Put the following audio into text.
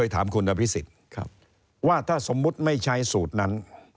ถามคุณอภิษฎว่าถ้าสมมุติไม่ใช้สูตรนั้น